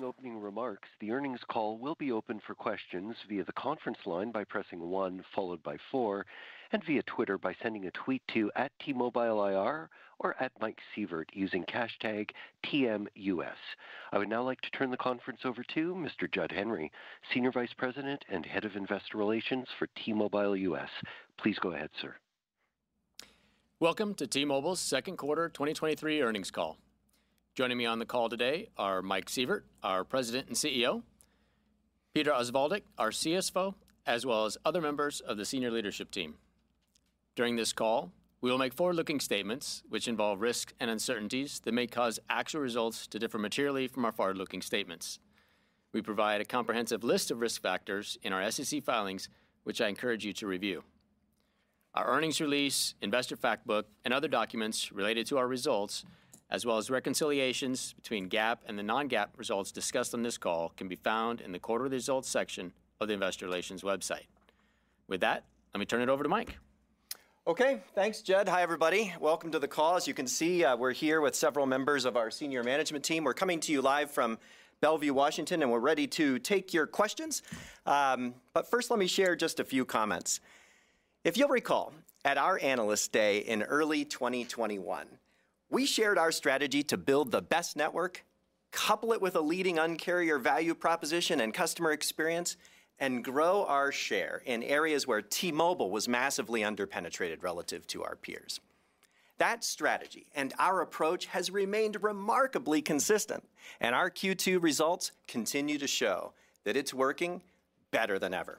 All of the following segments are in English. Good afternoon. Following opening remarks, the earnings call will be open for questions via the conference line by pressing one followed by four, and via Twitter by sending a tweet to @TMobileIR or at Mike Sievert using hashtag TMUS. I would now like to turn the conference over to Mr. Jud Henry, Senior Vice President and Head of Investor Relations for T-Mobile US. Please go ahead, sir. Welcome to T-Mobile's Q2 2023 earnings call. Joining me on the call today are Mike Sievert, our President and CEO, Peter Osvaldik, our CFO, as well as other members of the senior leadership team. During this call, we will make forward-looking statements which involve risks and uncertainties that may cause actual results to differ materially from our forward-looking statements. We provide a comprehensive list of risk factors in our SEC filings, which I encourage you to review. Our earnings release, investor fact book, and other documents related to our results, as well as reconciliations between GAAP and the non-GAAP results discussed on this call, can be found in the Quarter Results section of the Investor Relations website. With that, let me turn it over to Mike. Okay, thanks, Judd. Hi, everybody. Welcome to the call. As you can see, we're here with several members of our senior management team. We're coming to you live from Bellevue, Washington, and we're ready to take your questions. First, let me share just a few comments. If you'll recall, at our Analyst Day in early 2021, we shared our strategy to build the best network, couple it with a leading Un-carrier value proposition and customer experience, and grow our share in areas where T-Mobile was massively under-penetrated relative to our peers. That strategy and our approach has remained remarkably consistent, and our Q2 results continue to show that it's working better than ever.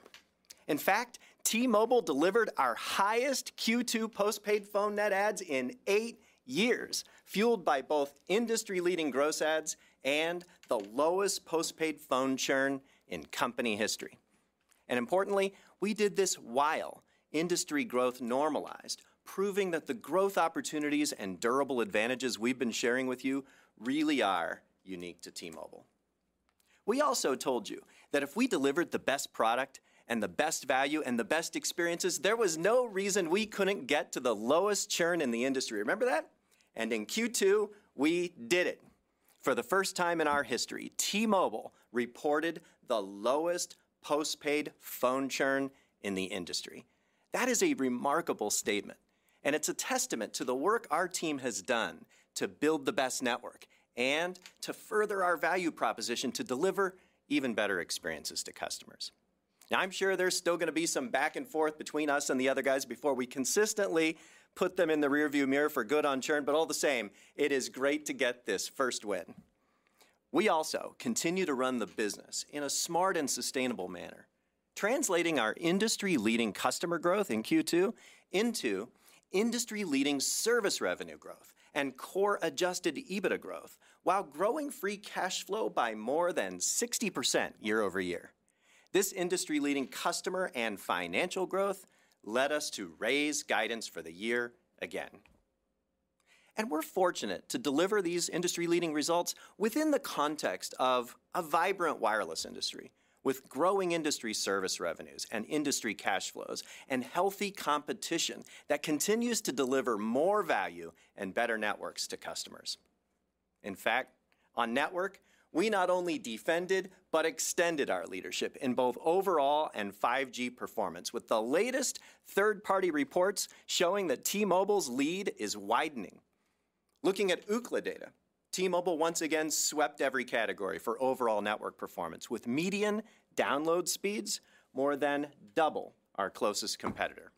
In fact, T-Mobile delivered our highest Q2 postpaid phone net adds in 8 years, fueled by both industry-leading gross adds and the lowest postpaid phone churn in company history. Importantly, we did this while industry growth normalized, proving that the growth opportunities and durable advantages we've been sharing with you really are unique to T-Mobile. We also told you that if we delivered the best product, and the best value, and the best experiences, there was no reason we couldn't get to the lowest churn in the industry. Remember that? In Q2, we did it. For the first time in our history, T-Mobile reported the lowest postpaid phone churn in the industry. That is a remarkable statement, and it's a testament to the work our team has done to build the best network and to further our value proposition to deliver even better experiences to customers. I'm sure there's still gonna be some back and forth between us and the other guys before we consistently put them in the rearview mirror for good on churn, but all the same, it is great to get this first win. We also continue to run the business in a smart and sustainable manner, translating our industry-leading customer growth in Q2 into industry-leading service revenue growth and core Adjusted EBITDA growth, while growing free cash flow by more than 60% year-over-year. This industry-leading customer and financial growth led us to raise guidance for the year again. We're fortunate to deliver these industry-leading results within the context of a vibrant wireless industry, with growing industry service revenues and industry cash flows, and healthy competition that continues to deliver more value and better networks to customers. In fact, on network, we not only defended, but extended our leadership in both overall and 5G performance, with the latest third-party reports showing that T-Mobile's lead is widening. Looking at Ookla data, T-Mobile once again swept every category for overall network performance, with median download speeds more than double our closest competitor.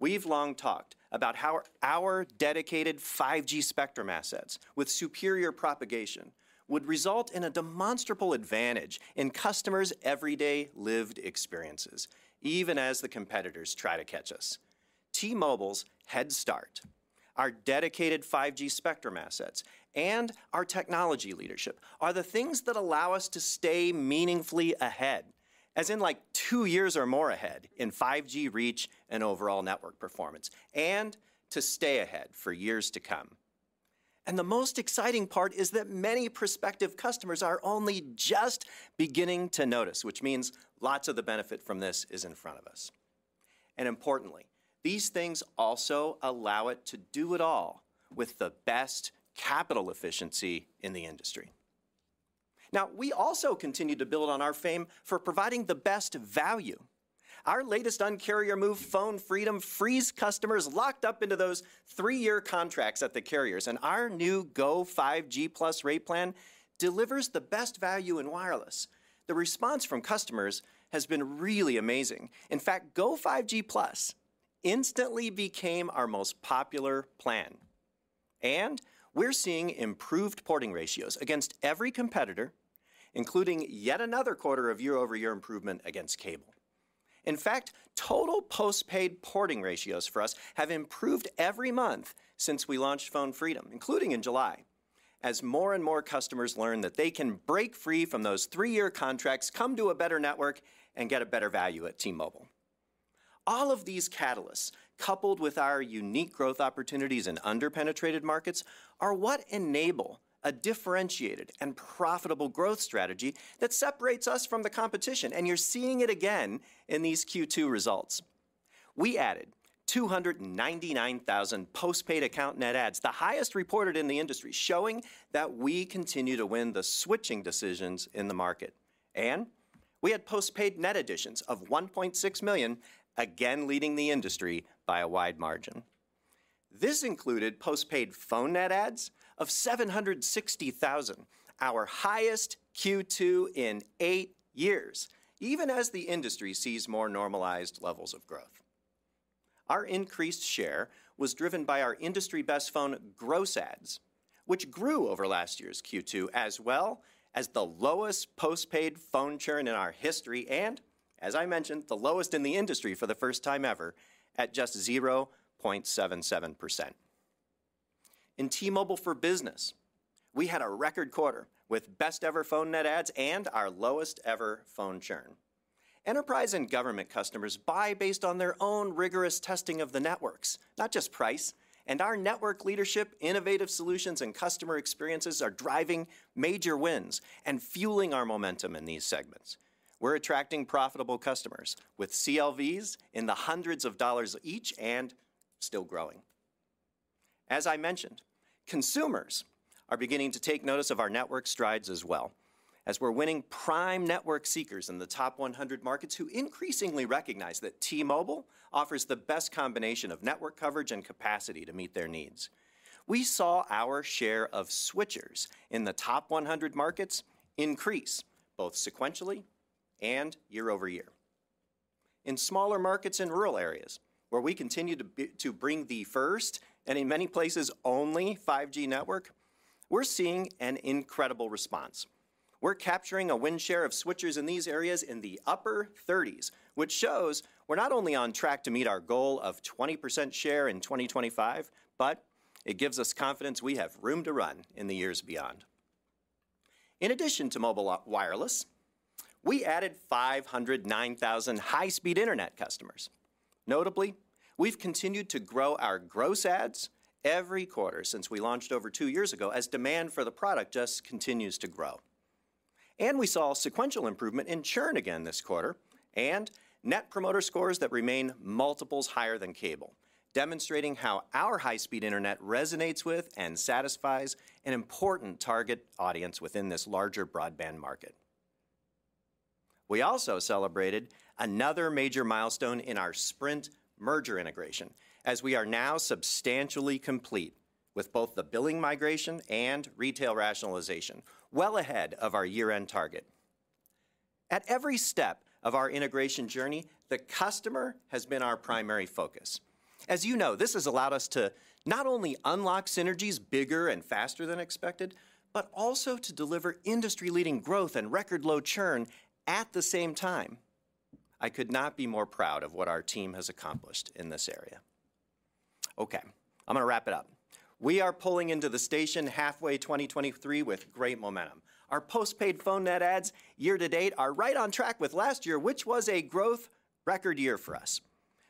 We've long talked about how our dedicated 5G spectrum assets with superior propagation would result in a demonstrable advantage in customers' everyday lived experiences, even as the competitors try to catch us. T-Mobile's head start, our dedicated 5G spectrum assets, and our technology leadership are the things that allow us to stay meaningfully ahead, as in like two years or more ahead, in 5G reach and overall network performance, and to stay ahead for years to come. The most exciting part is that many prospective customers are only just beginning to notice, which means lots of the benefit from this is in front of us. Importantly, these things also allow it to do it all with the best capital efficiency in the industry. Now, we also continue to build on our fame for providing the best value. Our latest Un-carrier move, Phone Freedom, frees customers locked up into those 3-year contracts at the carriers, and our new Go5G Plus rate plan delivers the best value in wireless. The response from customers has been really amazing. In fact, Go5G Plus instantly became our most popular plan. We're seeing improved porting ratios against every competitor, including yet another quarter of year-over-year improvement against cable. In fact, total postpaid porting ratios for us have improved every month since we launched Phone Freedom, including in July, as more and more customers learn that they can break free from those three-year contracts, come to a better network, and get a better value at T-Mobile. All of these catalysts, coupled with our unique growth opportunities in under-penetrated markets, are what enable a differentiated and profitable growth strategy that separates us from the competition, and you're seeing it again in these Q2 results. We added 299,000 postpaid account net adds, the highest reported in the industry, showing that we continue to win the switching decisions in the market. We had postpaid net additions of 1.6 million, again leading the industry by a wide margin. This included postpaid phone net adds of 760,000, our highest Q2 in 8 years, even as the industry sees more normalized levels of growth. Our increased share was driven by our industry-best phone gross adds, which grew over last year's Q2, as well as the lowest postpaid phone churn in our history, and as I mentioned, the lowest in the industry for the first time ever, at just 0.77%. In T-Mobile for Business, we had a record quarter with best-ever phone net adds and our lowest-ever phone churn. Enterprise and government customers buy based on their own rigorous testing of the networks, not just price. Our network leadership, innovative solutions, and customer experiences are driving major wins and fueling our momentum in these segments. We're attracting profitable customers with CLVs in the hundreds of dollars each and still growing. As I mentioned, consumers are beginning to take notice of our network strides as well, as we're winning prime network seekers in the top 100 markets, who increasingly recognize that T-Mobile offers the best combination of network coverage and capacity to meet their needs. We saw our share of switchers in the top 100 markets increase both sequentially and year-over-year. In smaller markets and rural areas, where we continue to bring the first, and in many places, only 5G network, we're seeing an incredible response. We're capturing a win share of switchers in these areas in the upper 30s, which shows we're not only on track to meet our goal of 20% share in 2025, but it gives us confidence we have room to run in the years beyond. In addition to mobile wireless, we added 509,000 high-speed internet customers. Notably, we've continued to grow our gross adds every quarter since we launched over two years ago, as demand for the product just continues to grow. We saw a sequential improvement in churn again this quarter, and Net Promoter Scores that remain multiples higher than cable, demonstrating how our high-speed internet resonates with and satisfies an important target audience within this larger broadband market. We also celebrated another major milestone in our Sprint merger integration, as we are now substantially complete with both the billing migration and retail rationalization, well ahead of our year-end target. At every step of our integration journey, the customer has been our primary focus. As you know, this has allowed us to not only unlock synergies bigger and faster than expected, but also to deliver industry-leading growth and record-low churn at the same time. I could not be more proud of what our team has accomplished in this area. Okay, I'm gonna wrap it up. We are pulling into the station halfway 2023 with great momentum. Our postpaid phone net adds year-to-date are right on track with last year, which was a growth record year for us.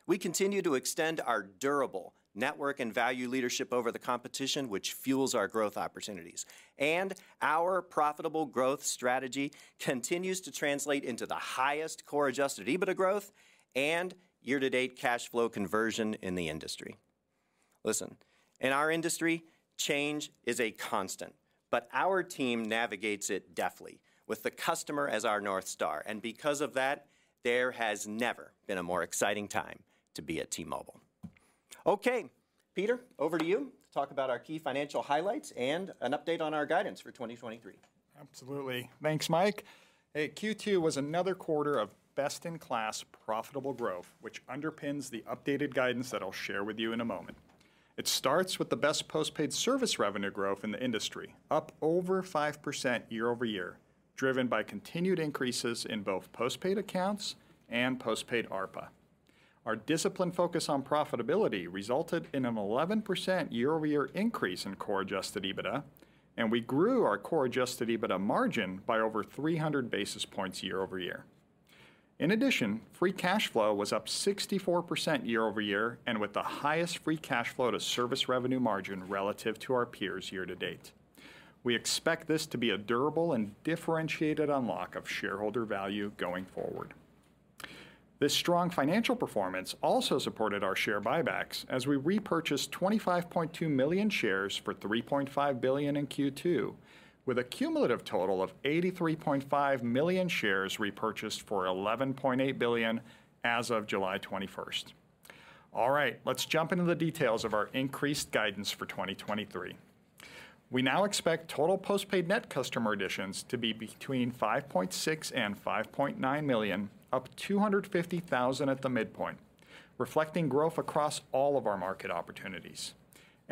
We continue to extend our durable network and value leadership over the competition, which fuels our growth opportunities. Our profitable growth strategy continues to translate into the highest Core Adjusted EBITDA growth and year-to-date cash flow conversion in the industry. Listen, in our industry, change is a constant, but our team navigates it deftly with the customer as our North Star, and because of that, there has never been a more exciting time to be at T-Mobile. Okay, Peter, over to you to talk about our key financial highlights and an update on our guidance for 2023. Absolutely. Thanks, Mike. Hey, Q2 was another quarter of best-in-class profitable growth, which underpins the updated guidance that I'll share with you in a moment. It starts with the best postpaid service revenue growth in the industry, up over 5% year-over-year, driven by continued increases in both postpaid accounts and postpaid ARPA. Our disciplined focus on profitability resulted in an 11% year-over-year increase in Core Adjusted EBITDA, and we grew our Core Adjusted EBITDA margin by over 300 basis points year-over-year. In addition, free cash flow was up 64% year-over-year, and with the highest free cash flow to service revenue margin relative to our peers year to date. We expect this to be a durable and differentiated unlock of shareholder value going forward. This strong financial performance also supported our share buybacks as we repurchased 25.2 million shares for $3.5 billion in Q2, with a cumulative total of 83.5 million shares repurchased for $11.8 billion as of July 21st. All right, let's jump into the details of our increased guidance for 2023. We now expect total postpaid net customer additions to be between 5.6 million and 5.9 million, up 250,000 at the midpoint, reflecting growth across all of our market opportunities.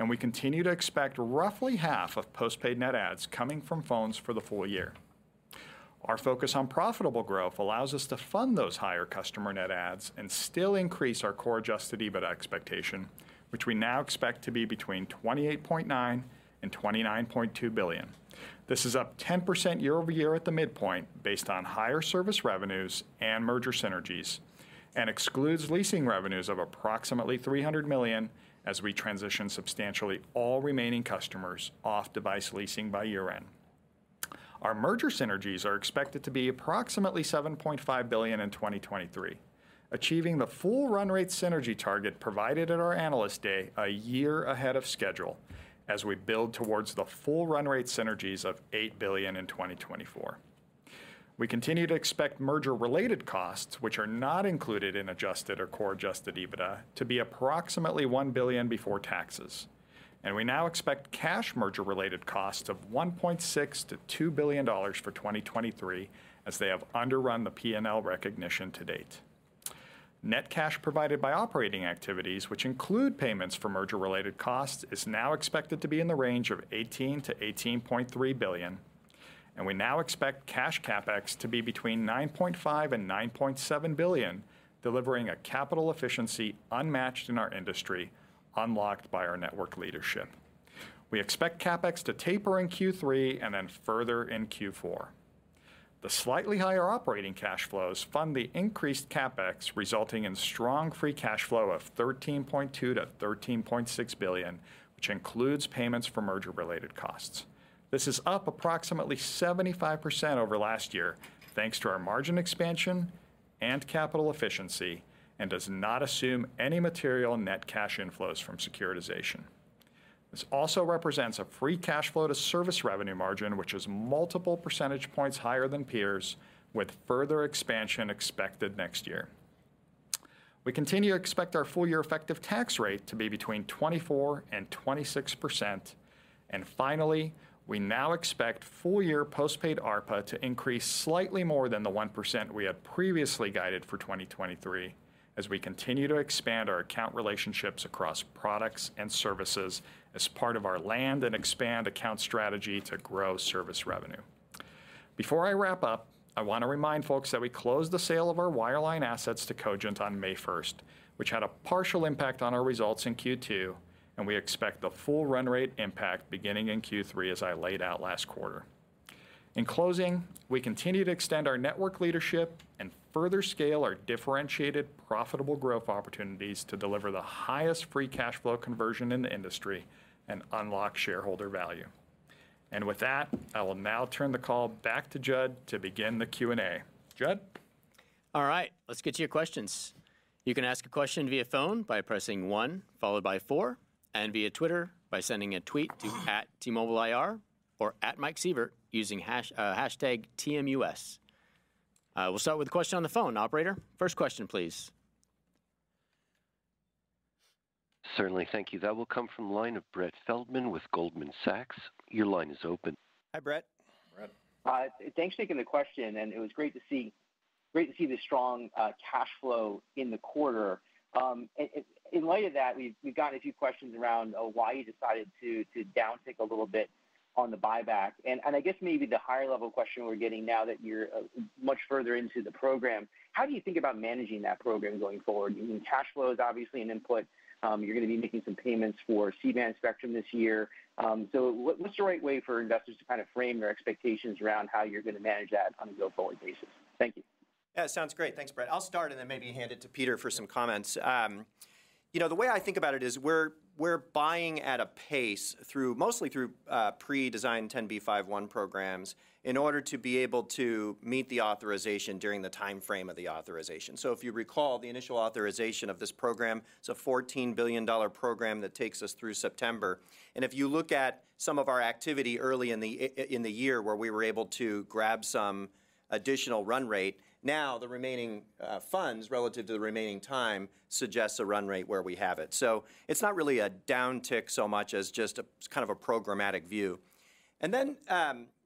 We continue to expect roughly half of postpaid net adds coming from phones for the full year. Our focus on profitable growth allows us to fund those higher customer net adds and still increase our Core Adjusted EBITDA expectation, which we now expect to be between $28.9 billion and $29.2 billion. This is up 10% year-over-year at the midpoint based on higher service revenues and merger synergies, and excludes leasing revenues of approximately $300 million as we transition substantially all remaining customers off device leasing by year-end. Our merger synergies are expected to be approximately $7.5 billion in 2023, achieving the full run rate synergy target provided at our Analyst Day, a year ahead of schedule, as we build towards the full run rate synergies of $8 billion in 2024. We continue to expect merger-related costs, which are not included in adjusted or Core Adjusted EBITDA, to be approximately $1 billion before taxes. We now expect cash merger-related costs of $1.6 billion-$2 billion for 2023, as they have underrun the P&L recognition to date. Net cash provided by operating activities, which include payments for merger-related costs, is now expected to be in the range of $18 billion-$18.3 billion. We now expect cash CapEx to be between $9.5 billion and $9.7 billion, delivering a capital efficiency unmatched in our industry, unlocked by our network leadership. We expect CapEx to taper in Q3, then further in Q4. The slightly higher operating cash flows fund the increased CapEx, resulting in strong free cash flow of $13.2 billion-$13.6 billion, which includes payments for merger-related costs. This is up approximately 75% over last year, thanks to our margin expansion and capital efficiency. Does not assume any material net cash inflows from securitization. This also represents a free cash flow to service revenue margin, which is multiple percentage points higher than peers, with further expansion expected next year. We continue to expect our full year effective tax rate to be between 24% and 26%. Finally, we now expect full year postpaid ARPA to increase slightly more than the 1% we had previously guided for 2023, as we continue to expand our account relationships across products and services as part of our land and expand account strategy to grow service revenue. Before I wrap up, I want to remind folks that we closed the sale of our wireline assets to Cogent on May first, which had a partial impact on our results in Q2, and we expect the full run rate impact beginning in Q3, as I laid out last quarter. In closing, we continue to extend our network leadership and further scale our differentiated, profitable growth opportunities to deliver the highest free cash flow conversion in the industry and unlock shareholder value. With that, I will now turn the call back to Judd to begin the Q&A. Judd? All right, let's get to your questions. You can ask a question via phone by pressing 1 followed by 4, and via Twitter by sending a tweet to @TMobileIR or @MikeSievert, using #TMUS. We'll start with a question on the phone. Operator, first question, please. Certainly. Thank you. That will come from the line of Brett Feldman with Goldman Sachs. Your line is open. Hi, Brett. Brett. Hi. Thanks for taking the question, and it was great to see, great to see the strong cash flow in the quarter. And in light of that, we've, we've gotten a few questions around why you decided to, to downtick a little bit on the buyback. And I guess maybe the higher level question we're getting now that you're much further into the program, how do you think about managing that program going forward? I mean, cash flow is obviously an input. You're going to be making some payments for C-band spectrum this year. What, what's the right way for investors to kind of frame their expectations around how you're going to manage that on a go-forward basis? Thank you. Yeah, sounds great. Thanks, Brett. I'll start and then maybe hand it to Peter for some comments. You know, the way I think about it is we're, we're buying at a pace mostly through pre-designed 10b5-1 programs, in order to be able to meet the authorization during the timeframe of the authorization. If you recall, the initial authorization of this program, it's a $14 billion program that takes us through September. If you look at some of our activity early in the year, where we were able to grab some additional run rate, now the remaining funds, relative to the remaining time, suggests a run rate where we have it. It's not really a downtick so much as just a, kind of a programmatic view. Then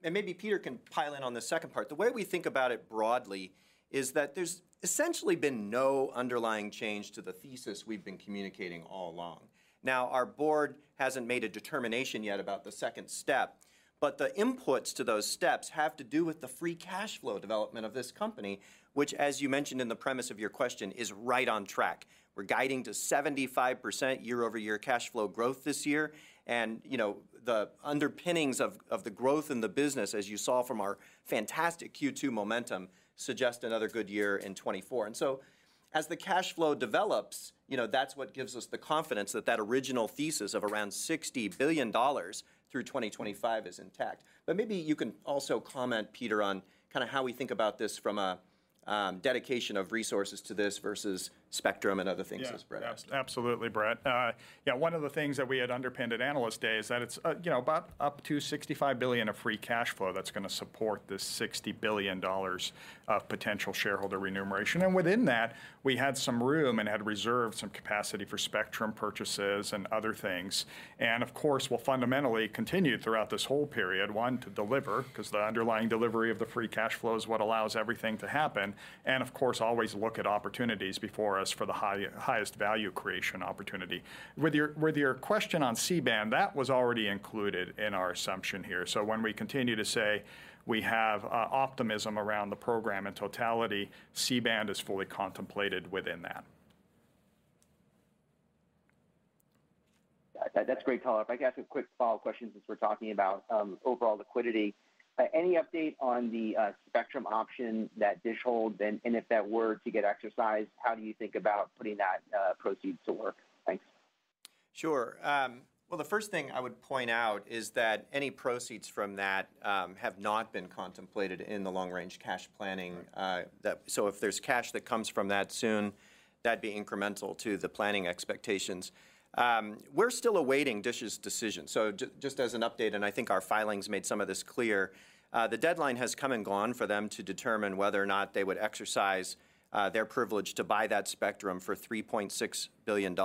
maybe Peter can pile in on the second part. The way we think about it broadly, is that there's essentially been no underlying change to the thesis we've been communicating all along. Now, our board hasn't made a determination yet about the second step, but the inputs to those steps have to do with the free cash flow development of this company, which, as you mentioned in the premise of your question, is right on track. We're guiding to 75% year-over-year cash flow growth this year. you know, the underpinnings of, of the growth in the business, as you saw from our fantastic Q2 momentum, suggest another good year in 2024. As the cash flow develops, you know, that's what gives us the confidence that that original thesis of around $60 billion through 2025 is intact. Maybe you can also comment, Peter, on kind of how we think about this from a dedication of resources to this versus spectrum and other things, as Brett asked. Yeah. Absolutely, Brett. Yeah, one of the things that we had underpinned at Analyst Day is that it's, you know, about up to $65 billion of free cash flow that's going to support this $60 billion of potential shareholder remuneration. Within that, we had some room and had reserved some capacity for spectrum purchases and other things. Of course, we'll fundamentally continue throughout this whole period, one, to deliver, because the underlying delivery of the free cash flow is what allows everything to happen, and of course, always look at opportunities before us for the highest value creation opportunity. With your, with your question on C-band, that was already included in our assumption here. When we continue to say we have optimism around the program in totality, C-band is fully contemplated within that. That's great color. If I could ask a quick follow-up question, since we're talking about overall liquidity. Any update on the spectrum option that Dish holds? If that were to get exercised, how do you think about putting that proceeds to work? Thanks. Sure. Well, the first thing I would point out is that any proceeds from that have not been contemplated in the long-range cash planning. So if there's cash that comes from that soon, that'd be incremental to the planning expectations. We're still awaiting Dish's decision. Just as an update, and I think our filings made some of this clear, the deadline has come and gone for them to determine whether or not they would exercise their privilege to buy that spectrum for $3.6 billion.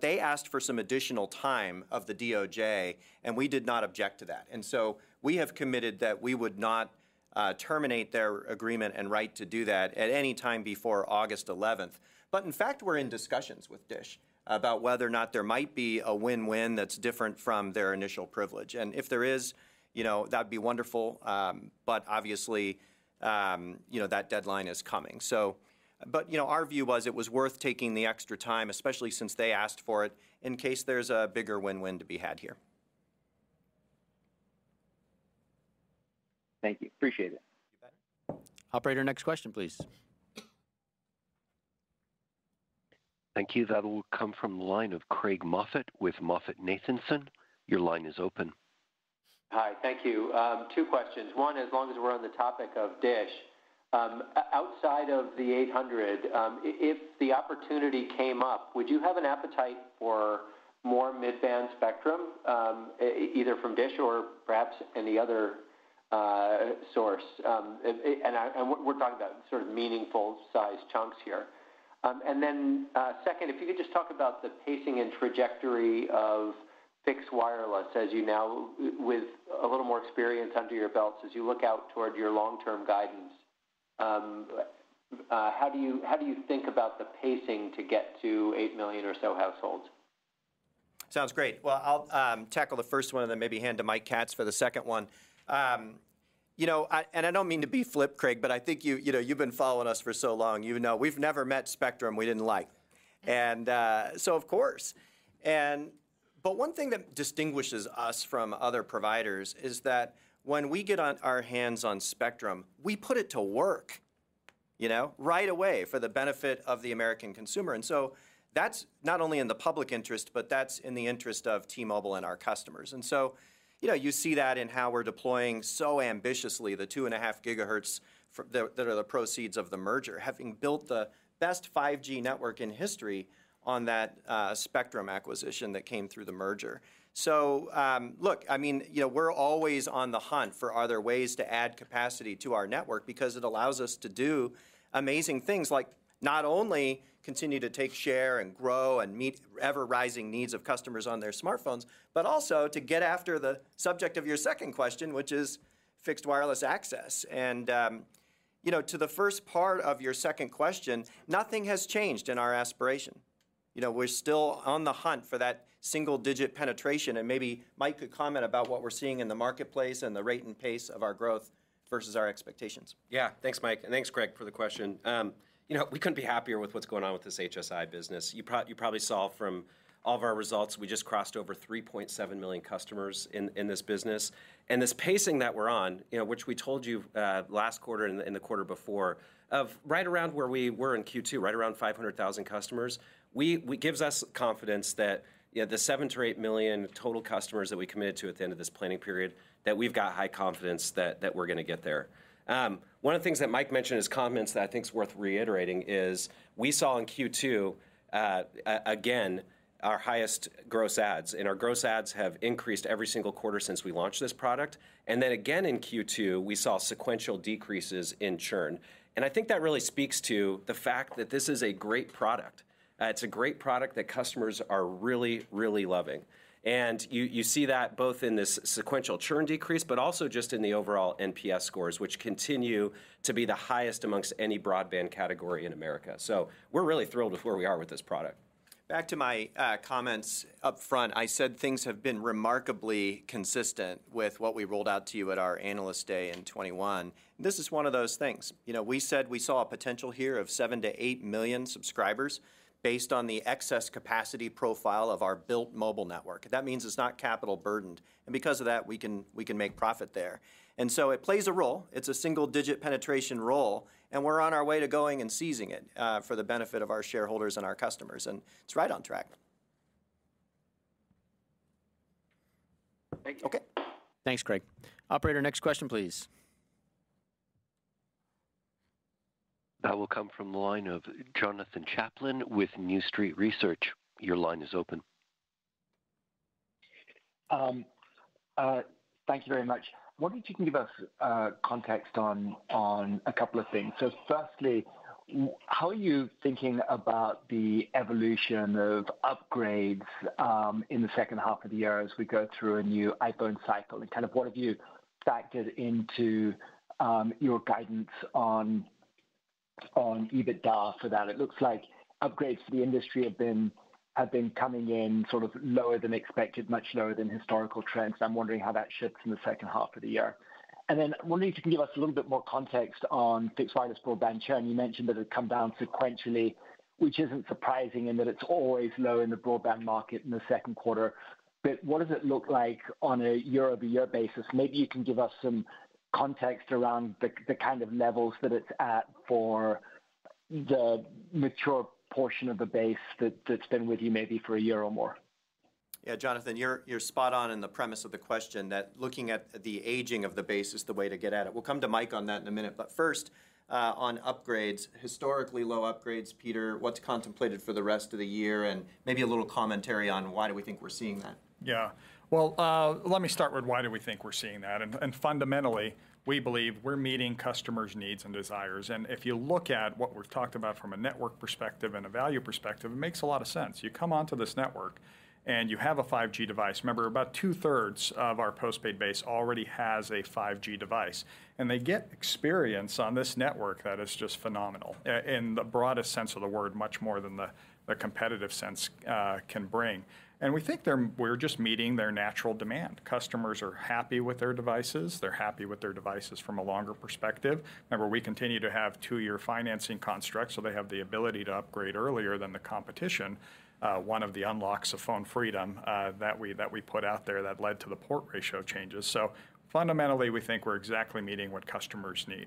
They asked for some additional time of the DOJ, and we did not object to that. We have committed that we would not terminate their agreement and right to do that at any time before August 11th. In fact, we're in discussions with Dish about whether or not there might be a win-win that's different from their initial privilege. If there is, you know, that'd be wonderful. Obviously, you know, that deadline is coming. You know, our view was it was worth taking the extra time, especially since they asked for it, in case there's a bigger win-win to be had here. Thank you. Appreciate it. You bet. Operator, next question, please. Thank you. That will come from the line of Craig Moffett with MoffettNathanson. Your line is open. Hi, thank you. 2 questions. One, as long as we're on the topic of Dish, outside of the 800, if the opportunity came up, would you have an appetite for more mid-band spectrum, either from Dish or perhaps any other source? We're talking about sort of meaningful size chunks here. Second, if you could just talk about the pacing and trajectory of fixed wireless as you now, with a little more experience under your belts, as you look out toward your long-term guidance, how do you, how do you think about the pacing to get to 8 million or so households? Sounds great. Well, I'll tackle the first one and then maybe hand to Mike Katz for the second one. You know, I... I don't mean to be flip, Craig, but I think you, you know, you've been following us for so long. You know, we've never met spectrum we didn't like. So of course, one thing that distinguishes us from other providers is that when we get our hands on spectrum, we put it to work, you know, right away for the benefit of the American consumer. So that's not only in the public interest, but that's in the interest of T-Mobile and our customers. You know, you see that in how we're deploying so ambitiously the 2.5 GHz that are the proceeds of the merger, having built the best 5G network in history on that spectrum acquisition that came through the merger. Look, I mean, you know, we're always on the hunt for other ways to add capacity to our network because it allows us to do amazing things like not only continue to take share and grow and meet ever-rising needs of customers on their smartphones, but also to get after the subject of your second question, which is fixed wireless access. You know, to the first part of your second question, nothing has changed in our aspiration. You know, we're still on the hunt for that single-digit penetration. Maybe Mike could comment about what we're seeing in the marketplace and the rate and pace of our growth versus our expectations. Yeah. Thanks, Mike, and thanks, Craig, for the question. You know, we couldn't be happier with what's going on with this HSI business. You probably saw from all of our results, we just crossed over 3.7 million customers in this business. This pacing that we're on, you know, which we told you last quarter and the quarter before, of right around where we were in Q2, right around 500,000 customers, gives us confidence that, you know, the 7 million-8 million total customers that we committed to at the end of this planning period, that we've got high confidence that we're going to get there. One of the things that Mike mentioned as comments that I think is worth reiterating is, we saw in Q2, again, our highest gross adds, and our gross adds have increased every single quarter since we launched this product. Then again, in Q2, we saw sequential decreases in churn. I think that really speaks to the fact that this is a great product. It's a great product that customers are really, really loving. You see that both in this sequential churn decrease, but also just in the overall NPS scores, which continue to be the highest amongst any broadband category in America. We're really thrilled with where we are with this product. Back to my comments up front, I said things have been remarkably consistent with what we rolled out to you at our Analyst Day in 2021. This is one of those things. You know, we said we saw a potential here of 7-8 million subscribers based on the excess capacity profile of our built mobile network. That means it's not capital burdened, and because of that, we can make profit there. It plays a role. It's a single-digit penetration role. We're on our way to going and seizing it, for the benefit of our shareholders and our customers. It's right on track. Thank you. Okay. Thanks, Craig. Operator, next question, please. That will come from the line of Jonathan Chaplin with New Street Research. Your line is open. Thank you very much. Wondering if you can give us context on a couple of things. Firstly, how are you thinking about the evolution of upgrades in the second half of the year as we go through a new iPhone cycle? Kind of what have you factored into your guidance on EBITDA for that? It looks like upgrades for the industry have been, have been coming in sort of lower than expected, much lower than historical trends. I'm wondering how that shifts in the second half of the year. Then wondering if you can give us a little bit more context on fixed wireless broadband churn. You mentioned that it had come down sequentially, which isn't surprising, and that it's always low in the broadband market in the Q2. What does it look like on a year-over-year basis? Maybe you can give us some context around the, the kind of levels that it's at for the mature portion of the base that, that's been with you maybe for a year or more? Yeah, Jonathan, you're, you're spot on in the premise of the question, that looking at the aging of the base is the way to get at it. We'll come to Mike on that in a minute, but first, on upgrades, historically low upgrades, Peter, what's contemplated for the rest of the year? Maybe a little commentary on why do we think we're seeing that. Yeah. Well, let me start with why do we think we're seeing that? Fundamentally, we believe we're meeting customers' needs and desires. If you look at what we've talked about from a network perspective and a value perspective, it makes a lot of sense. You come onto this network, and you have a 5G device. Remember, about 2/3 of our postpaid base already has a 5G device, and they get experience on this network that is just phenomenal in the broadest sense of the word, much more than the competitive sense can bring. We think we're just meeting their natural demand. Customers are happy with their devices. They're happy with their devices from a longer perspective. Remember, we continue to have two-year financing constructs, so they have the ability to upgrade earlier than the competition, one of the unlocks of Phone Freedom that we, that we put out there that led to the port ratio changes. Fundamentally, we think we're exactly meeting what customers need.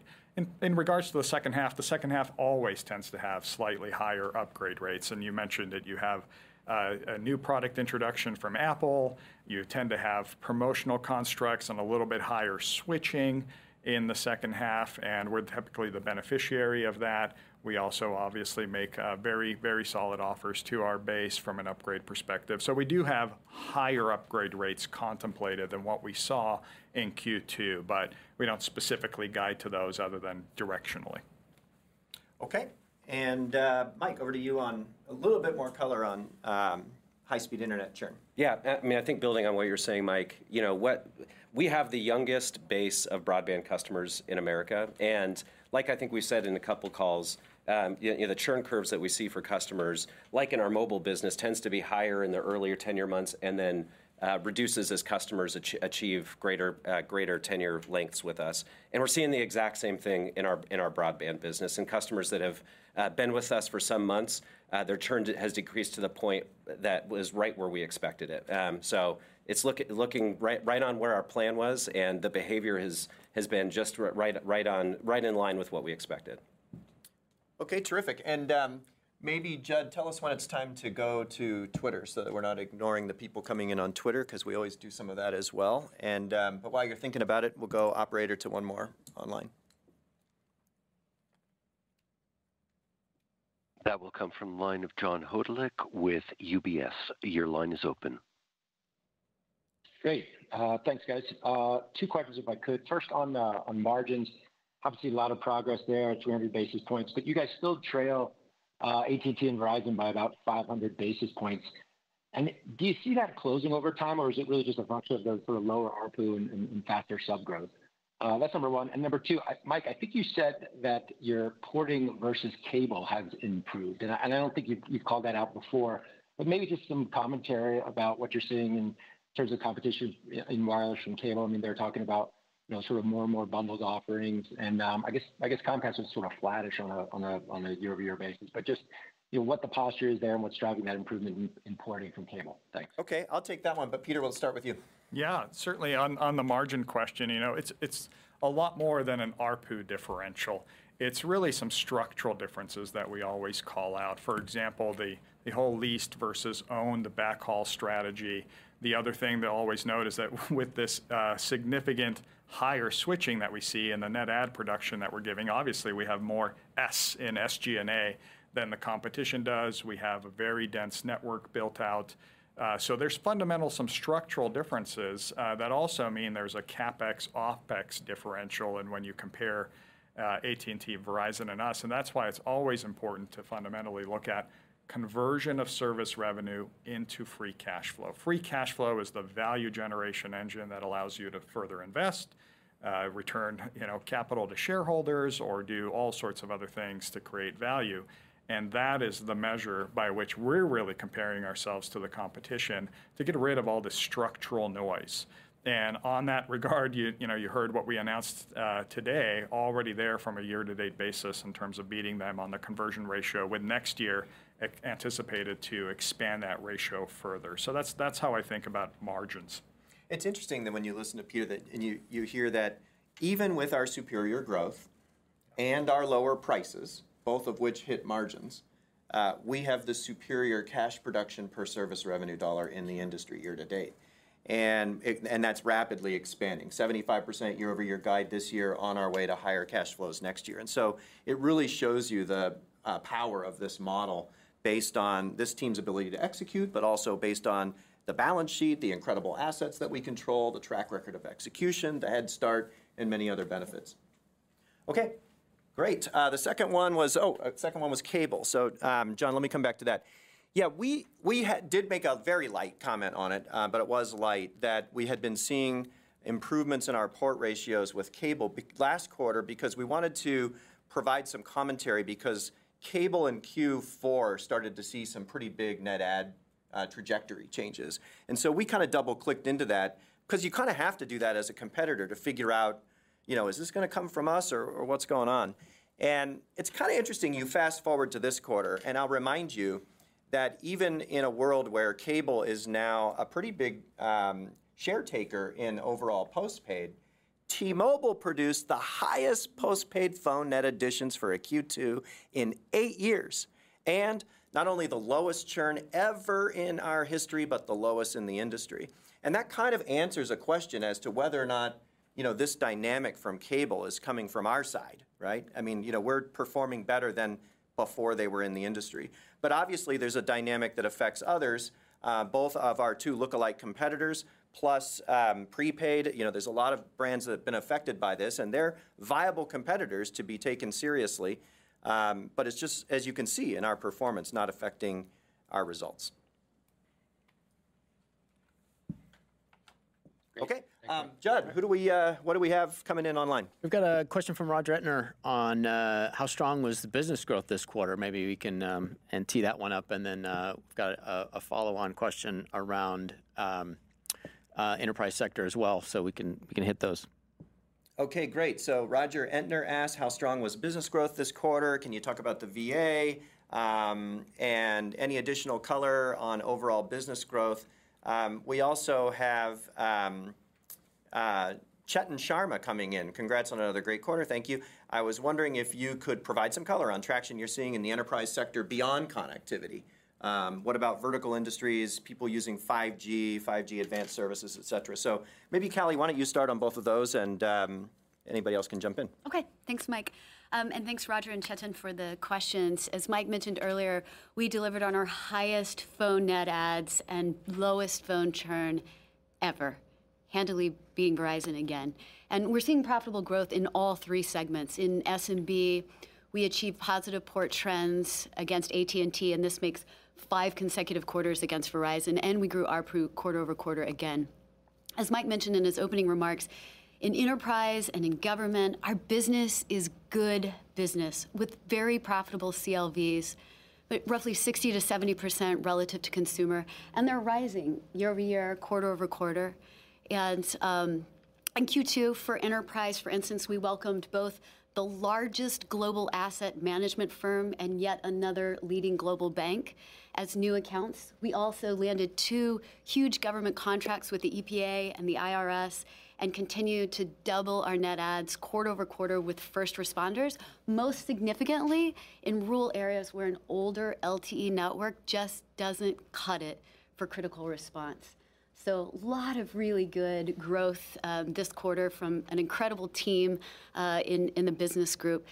In regards to the second half, the second half always tends to have slightly higher upgrade rates, and you mentioned that you have a new product introduction from Apple. You tend to have promotional constructs and a little bit higher switching in the second half, and we're typically the beneficiary of that. We also obviously make very, very solid offers to our base from an upgrade perspective. We do have higher upgrade rates contemplated than what we saw in Q2, but we don't specifically guide to those other than directionally. Okay. Mike, over to you on a little bit more color on high-speed internet churn. Yeah, I mean, I think building on what you're saying, Mike, you know, we have the youngest base of broadband customers in America, and like I think we've said in a couple calls, you know, the churn curves that we see for customers, like in our mobile business, tends to be higher in the earlier tenure months and then reduces as customers achieve greater, greater tenure lengths with us. We're seeing the exact same thing in our, in our broadband business. Customers that have been with us for some months, their churn has decreased to the point that was right where we expected it. It's look- looking right, right on where our plan was, and the behavior has, has been just right, right on, right in line with what we expected. Okay, terrific. Maybe, Judd, tell us when it's time to go to Twitter, so that we're not ignoring the people coming in on Twitter, 'cause we always do some of that as well. But while you're thinking about it, we'll go operator to one more online. That will come from the line of John Hodulik with UBS. Your line is open. Great. Thanks, guys. Two questions, if I could. First, on the, on margins, obviously a lot of progress there, 200 basis points, but you guys still trail AT&T and Verizon by about 500 basis points. Do you see that closing over time, or is it really just a function of the sort of lower ARPU and, and faster sub growth? That's number one. Number two, Mike, I think you said that your porting versus cable has improved, and I, and I don't think you've, you've called that out before, but maybe just some commentary about what you're seeing in terms of competition in wireless and cable. I mean, they're talking about, you know, sort of more and more bundled offerings and, I guess, I guess Comcast is sort of flattish on a, on a, on a year-over-year basis, but just, you know, what the posture is there and what's driving that improvement in, in porting from cable? Thanks. Okay, I'll take that one, but Peter, we'll start with you. Yeah, certainly on, on the margin question, you know, it's, it's a lot more than an ARPU differential. It's really some structural differences that we always call out. For example, the, the whole leased versus owned, the backhaul strategy. The other thing they'll always note is that with this, significant higher switching that we see and the net add production that we're giving, obviously, we have more S in SG&A than the competition does. We have a very dense network built out. There's fundamental, some structural differences, that also mean there's a CapEx, OpEx differential in when you compare, AT&T, Verizon and us, and that's why it's always important to fundamentally look at conversion of service revenue into free cash flow. Free cash flow is the value generation engine that allows you to further invest, return, you know, capital to shareholders, or do all sorts of other things to create value. That is the measure by which we're really comparing ourselves to the competition, to get rid of all the structural noise. On that regard, you, you know, you heard what we announced today, already there from a year-to-date basis in terms of beating them on the conversion ratio, with next year anticipated to expand that ratio further. That's, that's how I think about margins. It's interesting that when you listen to Peter, that, and you, you hear that even with our superior growth and our lower prices, both of which hit margins, we have the superior cash production per service revenue dollar in the industry year to date. That's rapidly expanding, 75% year-over-year guide this year on our way to higher cash flows next year. It really shows you the power of this model based on this team's ability to execute, but also based on the balance sheet, the incredible assets that we control, the track record of execution, the head start, and many other benefits. Okay, great! The second one was- second one was cable. John, let me come back to that. Yeah, we did make a very light comment on it, but it was light, that we had been seeing improvements in our port ratios with cable last quarter because we wanted to provide some commentary because cable in Q4 started to see some pretty big net add trajectory changes. So we kinda double-clicked into that, 'cause you kinda have to do that as a competitor to figure out, you know, is this gonna come from us or what's going on? It's kinda interesting, you fast-forward to this quarter, I'll remind that even in a world where cable is now a pretty big share taker in overall postpaid, T-Mobile produced the highest postpaid phone net additions for a Q2 in 8 years, not only the lowest churn ever in our history, but the lowest in the industry. That kind of answers a question as to whether or not, you know, this dynamic from cable is coming from our side, right? I mean, you know, we're performing better than before they were in the industry. Obviously, there's a dynamic that affects others, both of our two look-alike competitors plus prepaid. You know, there's a lot of brands that have been affected by this, and they're viable competitors to be taken seriously. But it's just, as you can see in our performance, not affecting our results. Okay, Judd, who do we, what do we have coming in online? We've got a question from Roger Entner on, how strong was the business growth this quarter? Maybe we can tee that one up, and then we've got a follow-on question around enterprise sector as well, so we can, we can hit those. Great. Roger Entner asked, "How strong was business growth this quarter? Can you talk about the VA and any additional color on overall business growth?" We also have Chetan Sharma coming in. "Congrats on another great quarter." Thank you. "I was wondering if you could provide some color on traction you're seeing in the enterprise sector beyond connectivity. What about vertical industries, people using 5G, 5G advanced services, et cetera?" Maybe, Callie, why don't you start on both of those, and anybody else can jump in. Okay. Thanks, Mike. Thanks, Roger and Chetan, for the questions. As Mike mentioned earlier, we delivered on our highest phone net adds and lowest phone churn ever, handily beating Verizon again. We're seeing profitable growth in all three segments. In SMB, we achieved positive port trends against AT&T. This makes five consecutive quarters against Verizon, and we grew ARPU quarter-over-quarter again. As Mike mentioned in his opening remarks, in enterprise and in government, our business is good business with very profitable CLVs, but roughly 60%-70% relative to consumer, and they're rising year-over-year, quarter-over-quarter. In Q2, for enterprise, for instance, we welcomed both the largest global asset management firm and yet another leading global bank as new accounts. We landed two huge government contracts with the EPA and the IRS, and continued to double our net adds quarter-over-quarter with first responders, most significantly in rural areas where an older LTE network just doesn't cut it for critical response. A lot of really good growth this quarter from an incredible team in the business group.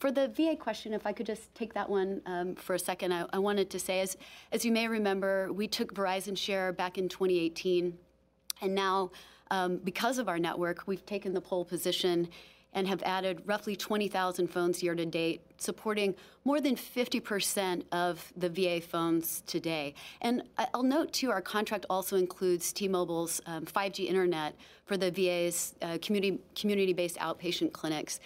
For the VA question, if I could just take that one for a second. I, I wanted to say, as, as you may remember, we took Verizon's share back in 2018, now because of our network, we've taken the pole position and have added roughly 20,000 phones year-to-date, supporting more than 50% of the VA phones today. I'll note, too, our contract also includes T-Mobile's 5G internet for the VA's community, community-based outpatient clinics.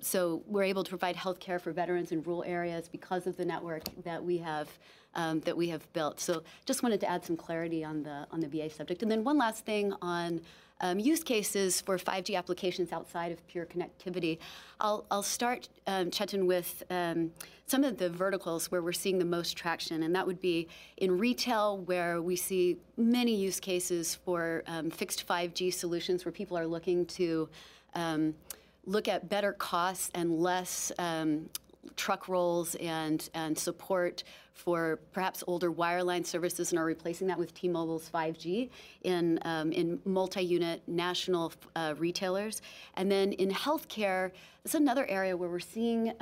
So we're able to provide healthcare for veterans in rural areas because of the network that we have that we have built. Just wanted to add some clarity on the on the VA subject. Then one last thing on use cases for 5G applications outside of pure connectivity. I'll, I'll start, Chetan, with some of the verticals where we're seeing the most traction, and that would be in retail, where we see many use cases for fixed 5G solutions, where people are looking to look at better costs and less truck rolls and and support for perhaps older wireline services and are replacing that with T-Mobile's 5G in in multi-unit national retailers. In healthcare, this is another area where we're seeing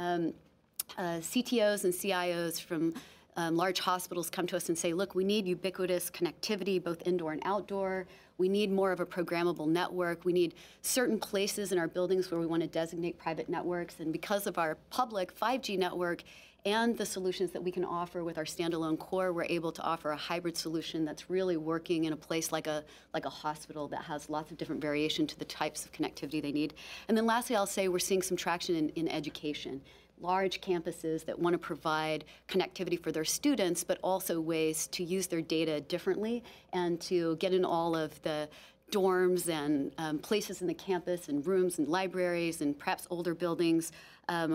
CTOs and CIOs from large hospitals come to us and say, "Look, we need ubiquitous connectivity, both indoor and outdoor. We need more of a programmable network. We need certain places in our buildings where we want to designate private networks." Because of our public 5G network and the solutions that we can offer with our standalone core, we're able to offer a hybrid solution that's really working in a place like a, like a hospital that has lots of different variation to the types of connectivity they need. Lastly, I'll say we're seeing some traction in education. Large campuses that want to provide connectivity for their students, but also ways to use their data differently and to get in all of the dorms and places in the campus, and rooms, and libraries, and perhaps older buildings,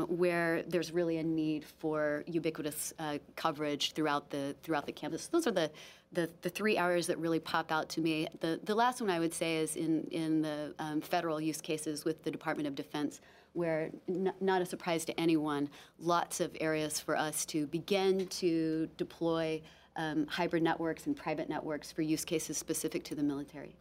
where there's really a need for ubiquitous coverage throughout the, throughout the campus. Those are the 3 areas that really pop out to me. The last one I would say is in, in the federal use cases with the Department of Defense, where not a surprise to anyone, lots of areas for us to begin to deploy hybrid networks and private networks for use cases specific to the military.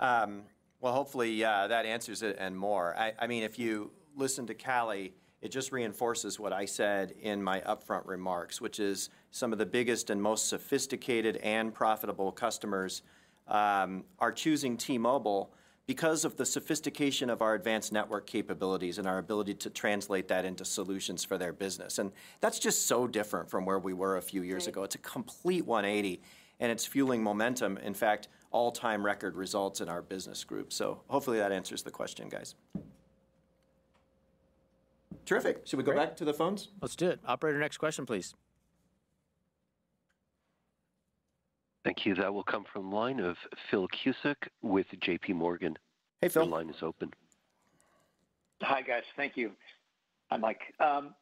Well, hopefully, that answers it and more. I mean, if you listen to Callie, it just reinforces what I said in my upfront remarks, which is some of the biggest and most sophisticated and profitable customers are choosing T-Mobile because of the sophistication of our advanced network capabilities and our ability to translate that into solutions for their business, and that's just so different from where we were a few years ago. Right. It's a complete 180, and it's fueling momentum, in fact, all-time record results in our business group. Hopefully that answers the question, guys. Terrific. Should we go back to the phones? Let's do it. Operator, next question, please. Thank you. That will come from the line of Phil Cusick with JP Morgan. Hey, Phil. The line is open. Hi, guys. Thank you. Hi, Mike.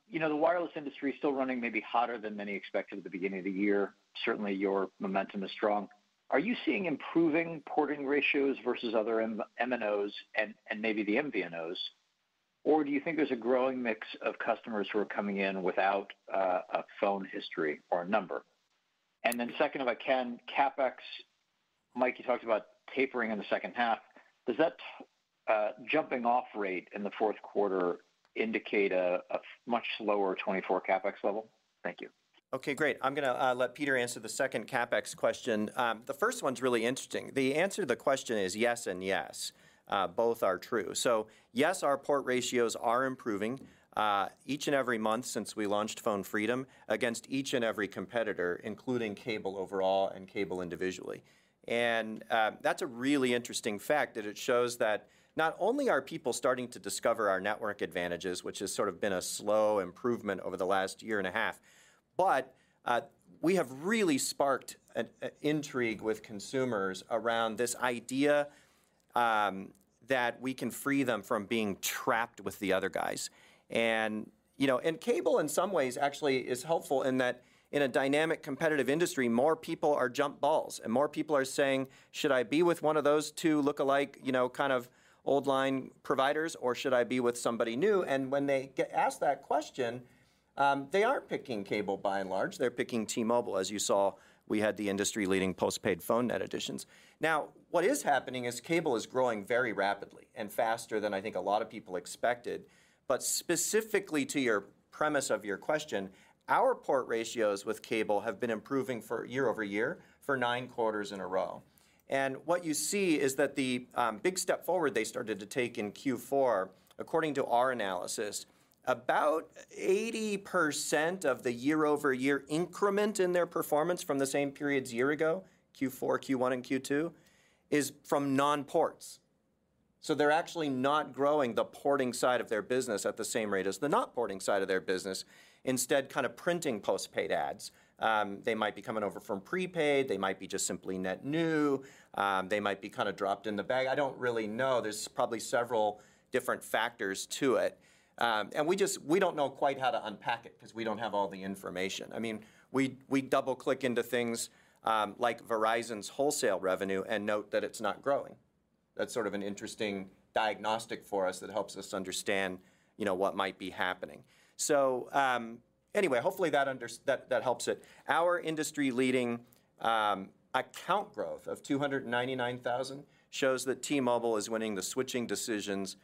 You know, the wireless industry is still running maybe hotter than many expected at the beginning of the year. Certainly, your momentum is strong. Are you seeing improving porting ratios versus other MNOs and, and maybe the MVNOs? Do you think there's a growing mix of customers who are coming in without a phone history or a number? Then second, if I can, CapEx. Mike, you talked about tapering in the second half. Does that jumping off rate in the Q4 indicate a much lower 2024 CapEx level? Thank you. Okay, great. I'm gonna let Peter answer the second CapEx question. The first one's really interesting. The answer to the question is yes and yes. Both are true. Yes, our port ratios are improving each and every month since we launched Phone Freedom against each and every competitor, including Cable overall and Cable individually. That's a really interesting fact, that it shows that not only are people starting to discover our network advantages, which has sort of been a slow improvement over the last year and a half, but we have really sparked an intrigue with consumers around this idea that we can free them from being trapped with the other guys. You know, and Cable, in some ways, actually is helpful in that in a dynamic, competitive industry, more people are jump balls, and more people are saying, "Should I be with one of those two look-alike, you know, kind of old line providers, or should I be with somebody new?" When they ask that question, they aren't picking Cable, by and large. They're picking T-Mobile. As you saw, we had the industry-leading postpaid phone net additions. What is happening is Cable is growing very rapidly and faster than I think a lot of people expected. Specifically to your premise of your question, our port ratios with Cable have been improving for year-over-year for nine quarters in a row. What you see is that the big step forward they started to take in Q4, according to our analysis, about 80% of the year-over-year increment in their performance from the same periods year ago, Q4, Q1, and Q2, is from non-ports. They're actually not growing the porting side of their business at the same rate as the not porting side of their business, instead, kind of printing postpaid ads. They might be coming over from prepaid, they might be just simply net new, they might be kind of dropped in the bag. I don't really know. There's probably several different factors to it. We don't know quite how to unpack it 'cause we don't have all the information. I mean, we, we double-click into things, like Verizon's wholesale revenue and note that it's not growing. That's sort of an interesting diagnostic for us that helps us understand, you know, what might be happening. Anyway, hopefully that helps it. Our industry-leading account growth of 299,000 shows that T-Mobile is winning the switching decisions,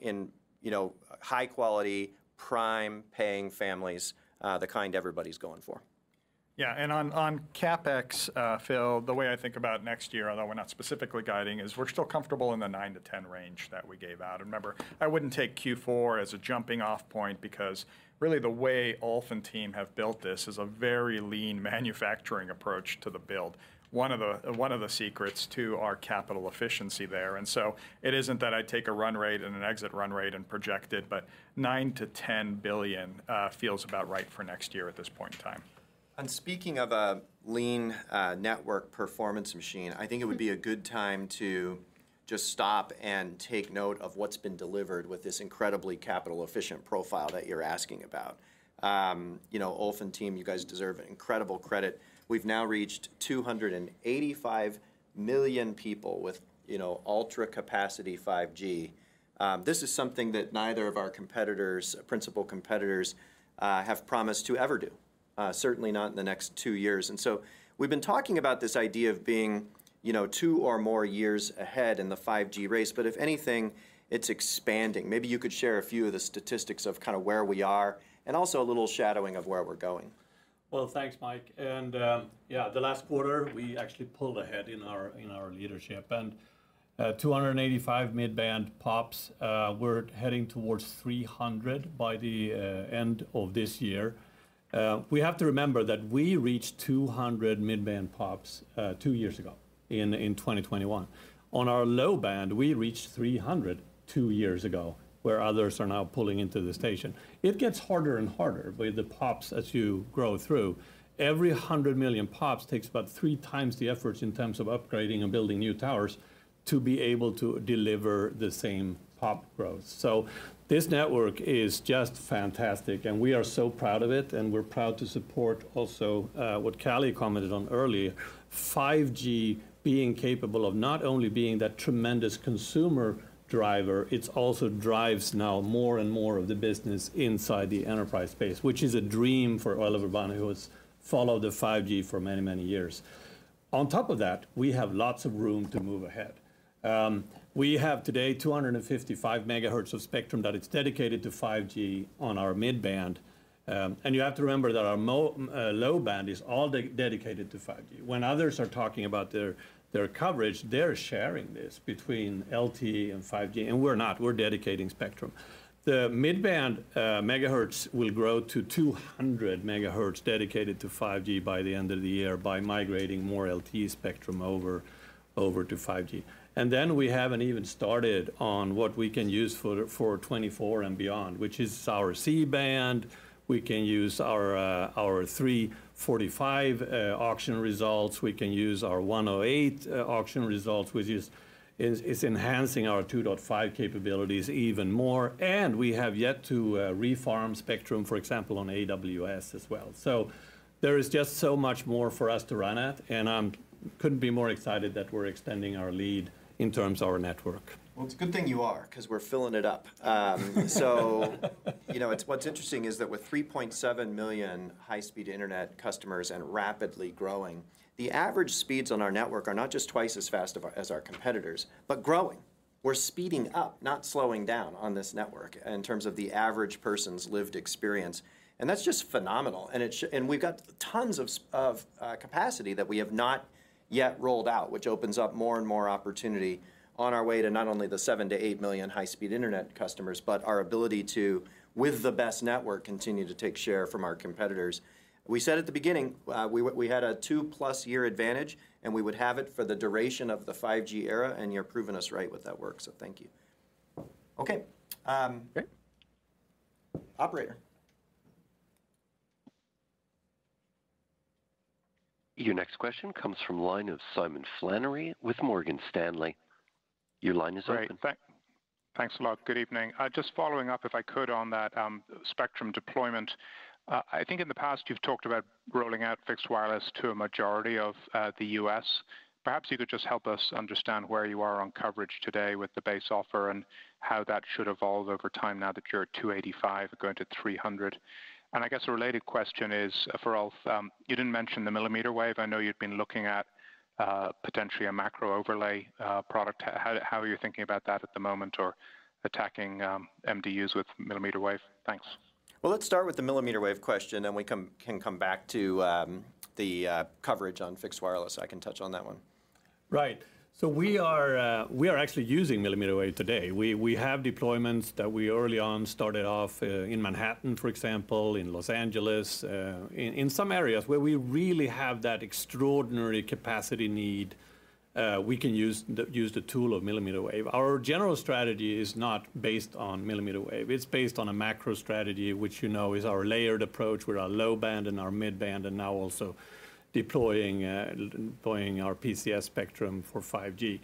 in, you know, high-quality, prime, paying families, the kind everybody's going for. Yeah, and on, on CapEx, Phil, the way I think about next year, although we're not specifically guiding, is we're still comfortable in the 9-10 range that we gave out. Remember, I wouldn't take Q4 as a jumping off point because really the way Ulf and team have built this is a very lean manufacturing approach to the build, one of the, one of the secrets to our capital efficiency there. So it isn't that I take a run rate and an exit run rate and project it, but $9 billion-$10 billion feels about right for next year at this point in time. Speaking of a lean, network performance machine, I think it would be a good time to just stop and take note of what's been delivered with this incredibly capital-efficient profile that you're asking about. You know, Ulf and team, you guys deserve incredible credit. We've now reached 285 million people with, you know, ultra-capacity 5G. This is something that neither of our competitors, principal competitors, have promised to ever do, certainly not in the next 2 years. We've been talking about this idea of being, you know, 2 or more years ahead in the 5G race, but if anything, it's expanding. Maybe you could share a few of the statistics of kind of where we are and also a little shadowing of where we're going. Well, thanks, Mike. Yeah, the last quarter, we actually pulled ahead in our, in our leadership, and, 285 mid-band POPs, we're heading towards 300 by the, end of this year. We have to remember that we reached 200 mid-band POPs, two years ago, in, in 2021. On our low band, we reached 300 two years ago, where others are now pulling into the station. It gets harder and harder with the POPs as you grow through. Every 100 million POPs takes about 3 times the efforts in terms of upgrading and building new towers to be able to deliver the same POP growth. This network is just fantastic, and we are so proud of it, and we're proud to support also, what Callie commented on earlier, 5G being capable of not only being that tremendous consumer driver, it also drives now more and more of the business inside the enterprise space, which is a dream for Oliver Bahn, who has followed the 5G for many, many years. On top of that, we have lots of room to move ahead. We have today 255 megahertz of spectrum that is dedicated to 5G on our midband. You have to remember that our low band is all de-dedicated to 5G. When others are talking about their, their coverage, they're sharing this between LTE and 5G, and we're not. We're dedicating spectrum. The mid-band megahertz will grow to 200 megahertz dedicated to 5G by the end of the year by migrating more LTE spectrum over, over to 5G. We haven't even started on what we can use for, for 2024 and beyond, which is our C-band. We can use our 3.45 auction results. We can use our 108 auction results, which is enhancing our 2.5 capabilities even more, and we have yet to re-farm spectrum, for example, on AWS as well. There is just so much more for us to run at, and couldn't be more excited that we're extending our lead in terms of our network. Well, it's a good thing you are, 'cause we're filling it up. You know, what's interesting is that with 3.7 million high-speed internet customers and rapidly growing, the average speeds on our network are not just twice as fast of our as our competitors, but growing. We're speeding up, not slowing down on this network in terms of the average person's lived experience, and that's just phenomenal. It's got tons of capacity that we have not yet rolled out, which opens up more and more opportunity on our way to not only the 7-8 million high-speed internet customers, but our ability to, with the best network, continue to take share from our competitors. We said at the beginning, we had a 2-plus year advantage, and we would have it for the duration of the 5G era, and you're proving us right with that work. Thank you. Okay. Great. Operator? Your next question comes from line of Simon Flannery with Morgan Stanley. Your line is open. Great. Thanks a lot. Good evening. Just following up, if I could, on that spectrum deployment. I think in the past you've talked about rolling out fixed wireless to a majority of the U.S. Perhaps you could just help us understand where you are on coverage today with the base offer and how that should evolve over time now that you're at 285, going to 300. I guess a related question is for Ulf. You didn't mention the millimeter wave. I know you've been looking at potentially a macro overlay product. How, how are you thinking about that at the moment or attacking MDUs with millimeter wave? Thanks. Let's start with the millimeter wave question, then we can come back to the coverage on fixed wireless. I can touch on that one. Right. We are actually using millimeter wave today. We, we have deployments that we early on started off in Manhattan, for example, in Los Angeles, in some areas where we really have that extraordinary capacity need, we can use the, use the tool of millimeter wave. Our general strategy is not based on millimeter wave. It's based on a macro strategy, which, you know, is our layered approach with our low band and our mid-band, and now also deploying deploying our PCS spectrum for 5G.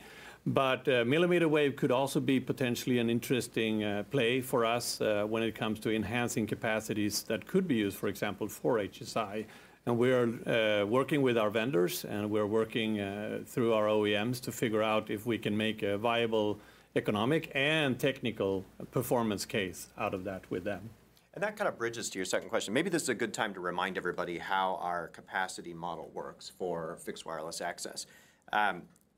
Millimeter wave could also be potentially an interesting play for us when it comes to enhancing capacities that could be used, for example, for HSI. We are working with our vendors, and we're working through our OEMs to figure out if we can make a viable economic and technical performance case out of that with them. That kind of bridges to your second question. Maybe this is a good time to remind everybody how our capacity model works for fixed wireless access.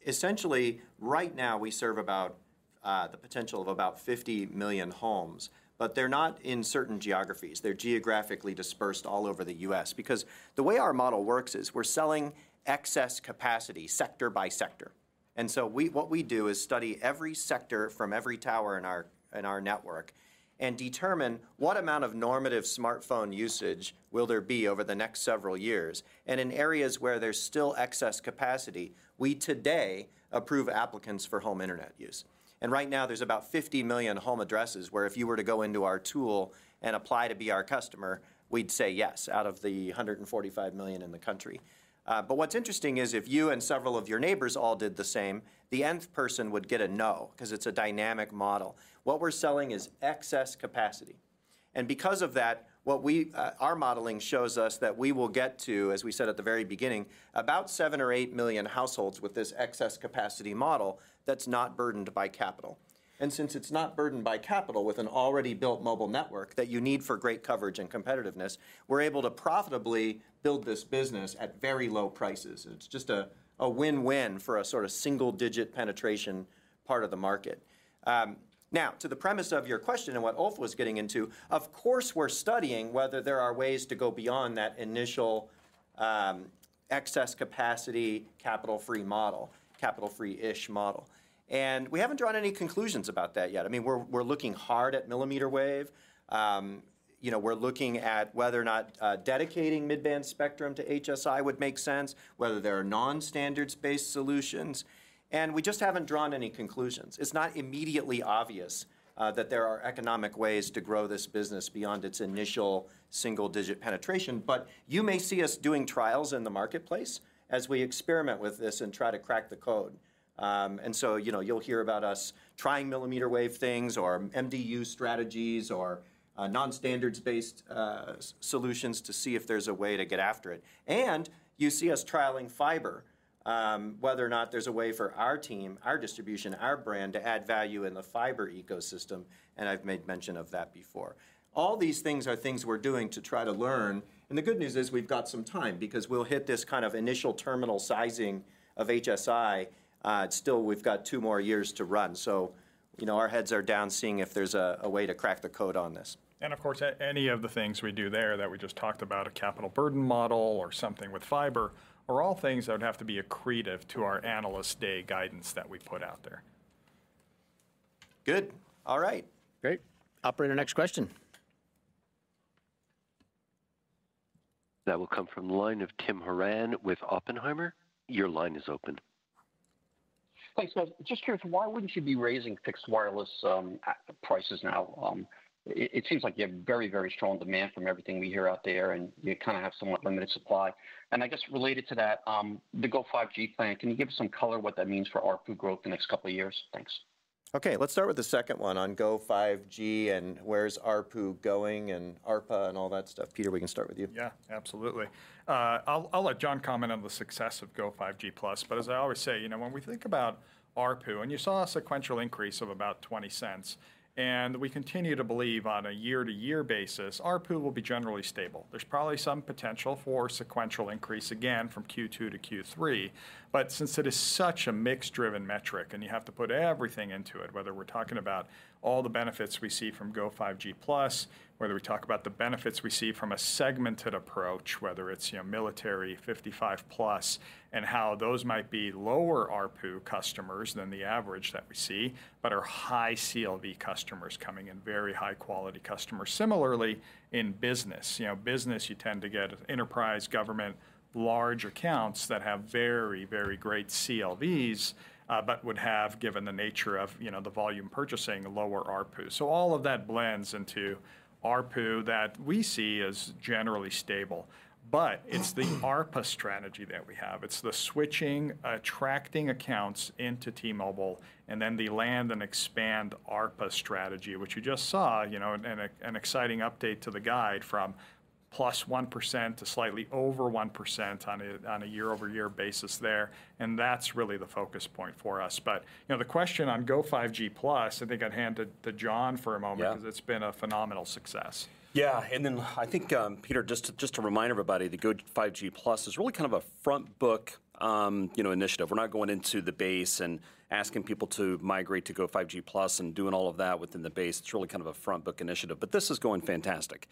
Essentially, right now, we serve about the potential of about 50 million homes, but they're not in certain geographies. They're geographically dispersed all over the U.S. The way our model works is we're selling excess capacity, sector by sector. What we do is study every sector from every tower in our, in our network and determine what amount of normative smartphone usage will there be over the next several years. In areas where there's still excess capacity, we today approve applicants for home internet use. Right now, there's about 50 million home addresses where if you were to go into our tool and apply to be our customer, we'd say yes, out of the 145 million in the country. What's interesting is if you and several of your neighbors all did the same, the nth person would get a no, 'cause it's a dynamic model. What we're selling is excess capacity, and because of that, what we... our modeling shows us that we will get to, as we said at the very beginning, about 7 or 8 million households with this excess capacity model that's not burdened by capital. Since it's not burdened by capital with an already built mobile network that you need for great coverage and competitiveness, we're able to profitably build this business at very low prices. It's just a, a win-win for a sort of single-digit penetration part of the market. Now, to the premise of your question and what Ulf was getting into, of course, we're studying whether there are ways to go beyond that initial, excess capacity, capital-free model, capital-free-ish model. We haven't drawn any conclusions about that yet. I mean, we're, we're looking hard at millimeter wave. You know, we're looking at whether or not, dedicating mid-band spectrum to HSI would make sense, whether there are non-standards-based solutions, and we just haven't drawn any conclusions. It's not immediately obvious, that there are economic ways to grow this business beyond its initial single-digit penetration. You may see us doing trials in the marketplace as we experiment with this and try to crack the code. You know, you'll hear about us trying millimeter wave things or MDUs strategies or non-standards-based solutions to see if there's a way to get after it. You see us trialing fiber, whether or not there's a way for our team, our distribution, our brand, to add value in the fiber ecosystem, and I've made mention of that before. These things are things we're doing to try to learn, and the good news is we've got some time because we'll hit this kind of initial terminal sizing of HSI, still, we've got 2 more years to run. You know, our heads are down, seeing if there's a way to crack the code on this. Of course, any of the things we do there that we just talked about, a capital burden model or something with fiber, are all things that would have to be accretive to our Analyst Day guidance that we put out there. Good. All right. Great. Operator, next question. That will come from the line of Tim Horan with Oppenheimer. Your line is open. Thanks, guys. Just curious, why wouldn't you be raising fixed wireless prices now? It, it seems like you have very, very strong demand from everything we hear out there, and you kind of have somewhat limited supply. I guess related to that, the Go5G plan, can you give us some color what that means for ARPU growth the next couple of years? Thanks.... Okay, let's start with the second one on Go5G, and where's ARPU going, and ARPA, and all that stuff. Peter, we can start with you. Yeah, absolutely. I'll, I'll let John comment on the success of Go5G Plus, but as I always say, you know, when we think about ARPU, and you saw a sequential increase of about $0.20, and we continue to believe on a year-to-year basis, ARPU will be generally stable. There's probably some potential for sequential increase, again, from Q2 to Q3. Since it is such a mix-driven metric, and you have to put everything into it, whether we're talking about all the benefits we see from Go5G Plus, whether we talk about the benefits we see from a segmented approach, whether it's, you know, military, 55 plus, and how those might be lower ARPU customers than the average that we see, but are high CLV customers coming in, very high-quality customers. Similarly, in business, you know, business, you tend to get enterprise, government, large accounts that have very, very great CLVs, but would have, given the nature of, you know, the volume purchasing, lower ARPU. All of that blends into ARPU that we see as generally stable. It's the ARPA strategy that we have. It's the switching, attracting accounts into T-Mobile, and then the land and expand ARPA strategy, which you just saw, you know, an exciting update to the guide from +1% - slightly over 1% on a year-over-year basis there, and that's really the focus point for us. You know, the question on Go5G Plus, I think I'd hand to John for a moment. Yeah ...because it's been a phenomenal success. I think, Peter, just to, just to remind everybody, the Go5G Plus is really kind of a front book, you know, initiative. We're not going into the base and asking people to migrate to Go5G Plus and doing all of that within the base. It's really kind of a front book initiative. This is going fantastic.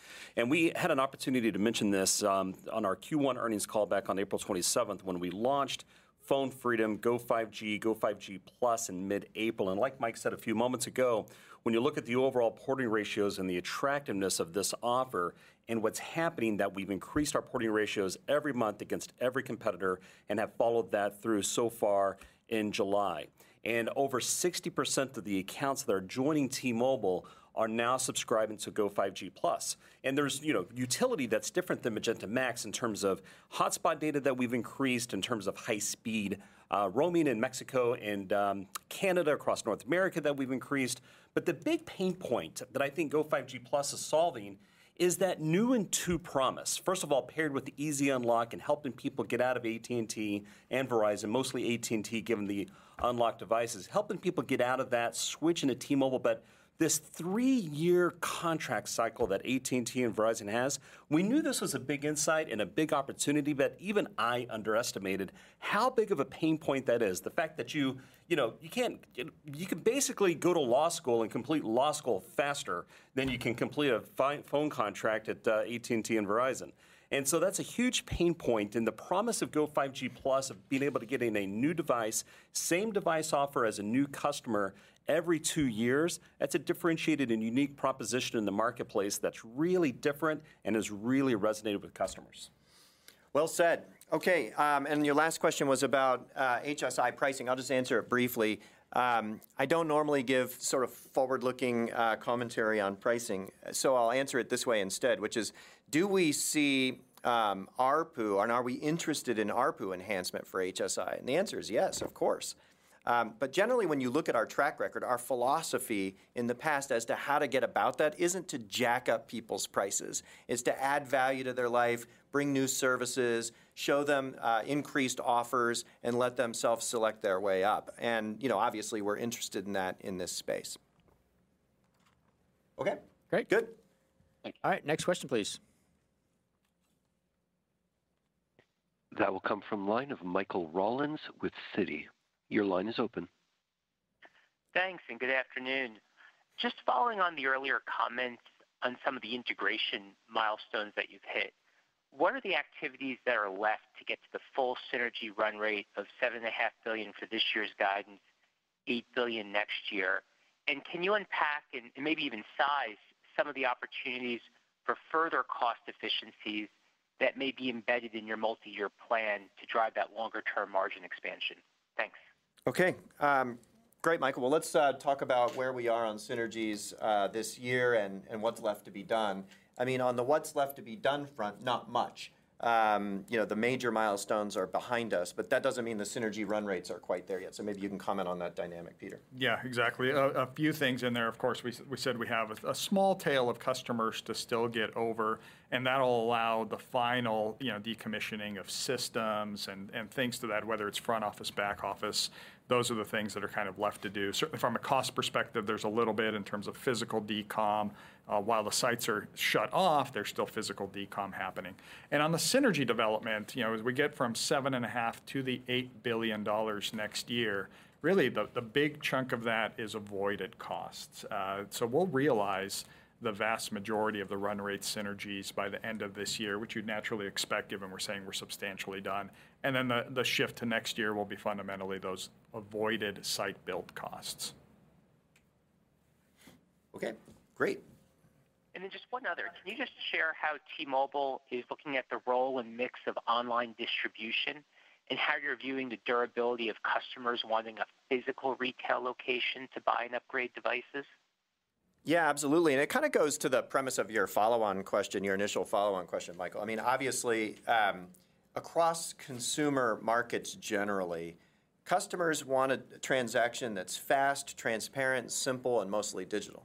We had an opportunity to mention this on our Q1 earnings call back on April 27th, when we launched Phone Freedom, Go5G, Go5G Plus in mid-April. Like Mike said a few moments ago, when you look at the overall porting ratios and the attractiveness of this offer, and what's happening, that we've increased our porting ratios every month against every competitor and have followed that through so far in July. Over 60% of the accounts that are joining T-Mobile are now subscribing to Go5G Plus. There's, you know, utility that's different than Magenta MAX in terms of hotspot data that we've increased, in terms of high speed roaming in Mexico and Canada, across North America, that we've increased. The big pain point that I think Go5G Plus is solving is that new and two promise. First of all, paired with the easy unlock and helping people get out of AT&T and Verizon, mostly AT&T, given the unlocked devices, helping people get out of that, switching to T-Mobile. This three-year contract cycle that AT&T and Verizon has, we knew this was a big insight and a big opportunity, but even I underestimated how big of a pain point that is. The fact that you, you know, you can basically go to law school and complete law school faster than you can complete a phone contract at AT&T and Verizon. So that's a huge pain point, and the promise of Go5G Plus of being able to get in a new device, same device offer as a new customer every two years, that's a differentiated and unique proposition in the marketplace that's really different and has really resonated with customers. Well said. Okay, your last question was about HSI pricing. I'll just answer it briefly. I don't normally give sort of forward-looking commentary on pricing, so I'll answer it this way instead, which is: Do we see ARPU, and are we interested in ARPU enhancement for HSI? The answer is yes, of course. Generally, when you look at our track record, our philosophy in the past as to how to get about that isn't to jack up people's prices. It's to add value to their life, bring new services, show them increased offers, and let themselves select their way up. You know, obviously, we're interested in that in this space. Okay. Great. Good. Thank you. All right, next question, please. That will come from line of Michael Rollins with Citi. Your line is open. Thanks, and good afternoon. Just following on the earlier comments on some of the integration milestones that you've hit, what are the activities that are left to get to the full synergy run rate of $7.5 billion for this year's guidance, $8 billion next year? Can you unpack and, and maybe even size some of the opportunities for further cost efficiencies that may be embedded in your multi-year plan to drive that longer-term margin expansion? Thanks. Okay, great, Michael. Well, let's talk about where we are on synergies this year and, and what's left to be done. I mean, on the what's left to be done front, not much. You know, the major milestones are behind us, but that doesn't mean the synergy run rates are quite there yet. Maybe you can comment on that dynamic, Peter. Yeah, exactly. A few things in there. Of course, we have a small tail of customers to still get over. That'll allow the final, you know, decommissioning of systems and things to that, whether it's front office, back office. Those are the things that are kind of left to do. Certainly, from a cost perspective, there's a little bit in terms of physical decom. While the sites are shut off, there's still physical decom happening. On the synergy development, you know, as we get from $7.5 billion to the $8 billion next year, really, the big chunk of that is avoided costs. We'll realize the vast majority of the run rate synergies by the end of this year, which you'd naturally expect, given we're saying we're substantially done. Then the shift to next year will be fundamentally those avoided site build costs. Okay, great. Just one other: Can you just share how T-Mobile is looking at the role and mix of online distribution, and how you're viewing the durability of customers wanting a physical retail location to buy and upgrade devices? Yeah, absolutely, it kind of goes to the premise of your follow-on question, your initial follow-on question, Michael. I mean, obviously, across consumer markets, generally, customers want a transaction that's fast, transparent, simple, and mostly digital.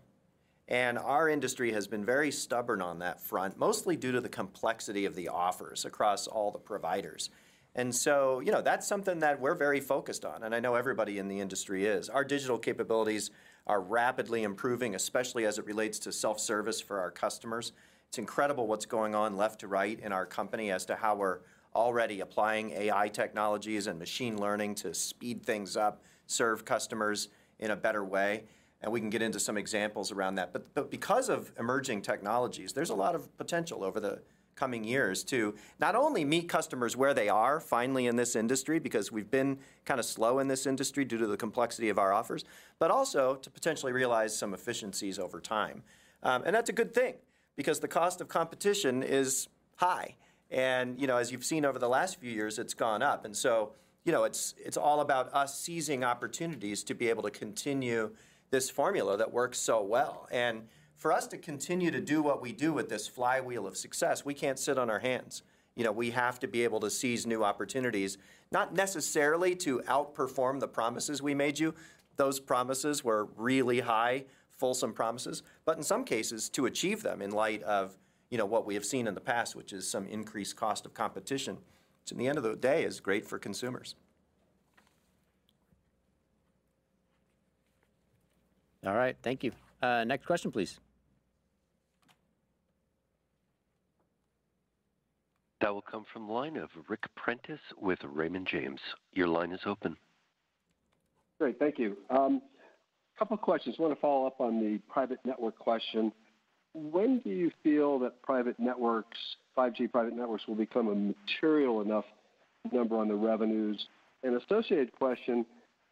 Our industry has been very stubborn on that front, mostly due to the complexity of the offers across all the providers. You know, that's something that we're very focused on, and I know everybody in the industry is. Our digital capabilities are rapidly improving, especially as it relates to self-service for our customers. It's incredible what's going on left to right in our company as to how we're already applying AI technologies and machine learning to speed things up, serve customers in a better way, and we can get into some examples around that. Because of emerging technologies, there's a lot of potential over the coming years to not only meet customers where they are, finally, in this industry, because we've been kinda slow in this industry due to the complexity of our offers, but also to potentially realize some efficiencies over time. That's a good thing because the cost of competition is high, and, you know, as you've seen over the last few years, it's gone up. You know, it's, it's all about us seizing opportunities to be able to continue this formula that works so well. For us to continue to do what we do with this flywheel of success, we can't sit on our hands. You know, we have to be able to seize new opportunities, not necessarily to outperform the promises we made you. Those promises were really high, fulsome promises, but in some cases, to achieve them in light of, you know, what we have seen in the past, which is some increased cost of competition. Which at the end of the day, is great for consumers. All right. Thank you. Next question, please. That will come from the line of Ric Prentiss with Raymond James. Your line is open. Great. Thank you. A couple of questions. I want to follow up on the private network question. When do you feel that private networks, 5G private networks, will become a material enough number on the revenues? An associated question,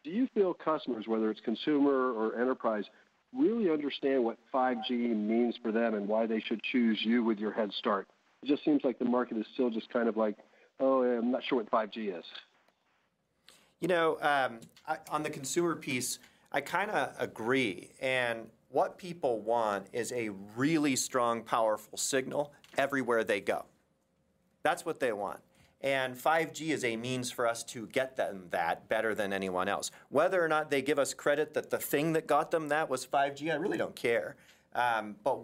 do you feel customers, whether it's consumer or enterprise, really understand what 5G means for them and why they should choose you with your head start? It just seems like the market is still just kind of like, "Oh, I'm not sure what 5G is. You know, on the consumer piece, I kinda agree. What people want is a really strong, powerful signal everywhere they go. That's what they want, and 5G is a means for us to get them that better than anyone else. Whether or not they give us credit that the thing that got them that was 5G, I really don't care.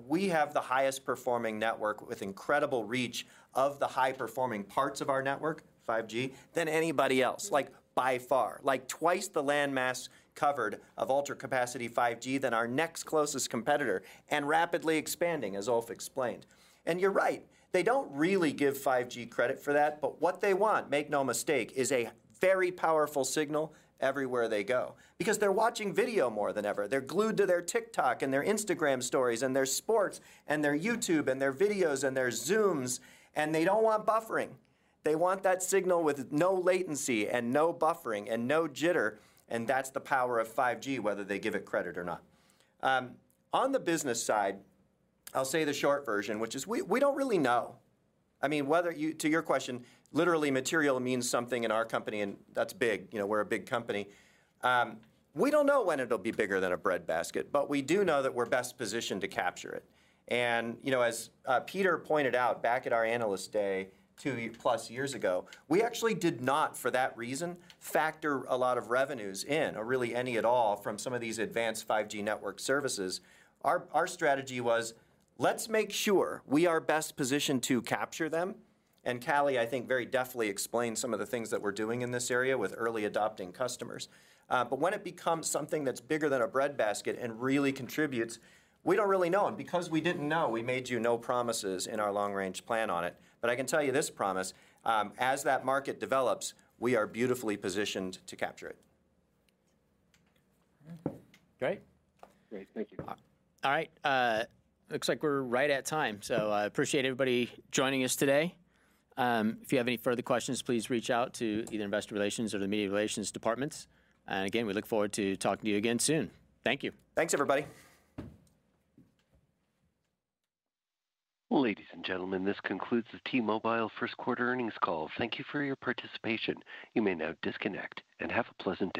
We have the highest-performing network with incredible reach of the high-performing parts of our network, 5G, than anybody else, like, by far. Like, twice the landmass covered of Ultra-Capacity 5G than our next closest competitor, and rapidly expanding, as Ulf explained. You're right, they don't really give 5G credit for that, but what they want, make no mistake, is a very powerful signal everywhere they go. Because they're watching video more than ever. They're glued to their TikTok and their Instagram stories and their sports and their YouTube and their videos and their Zooms. They don't want buffering. They want that signal with no latency and no buffering and no jitter. That's the power of 5G, whether they give it credit or not. On the business side, I'll say the short version, which is we, we don't really know. I mean, whether you... To your question, literally material means something in our company. That's big. You know, we're a big company. We don't know when it'll be bigger than a breadbasket. We do know that we're best positioned to capture it. you know, as Peter pointed out back at our Analyst Day, 2+ years ago, we actually did not, for that reason, factor a lot of revenues in, or really any at all, from some of these advanced 5G network services. Our, our strategy was: Let's make sure we are best positioned to capture them, and Callie, I think, very deftly explained some of the things that we're doing in this area with early adopting customers. But when it becomes something that's bigger than a breadbasket and really contributes, we don't really know. Because we didn't know, we made you no promises in our long-range plan on it. I can tell you this promise: As that market develops, we are beautifully positioned to capture it. Great! Great. Thank you. All right, looks like we're right at time. I appreciate everybody joining us today. If you have any further questions, please reach out to either Investor Relations or the Media Relations departments. Again, we look forward to talking to you again soon. Thank you. Thanks, everybody. Ladies and gentlemen, this concludes the T-Mobile Q2 earnings call. Thank you for your participation. You may now disconnect and have a pleasant day.